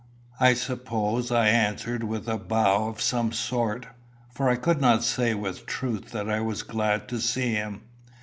I suppose I answered with a bow of some sort; for I could not say with truth that I was glad to see him.